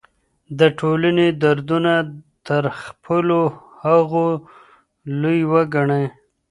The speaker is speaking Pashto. د ټولني دردونه تر خپلو هغو لوی وګڼئ.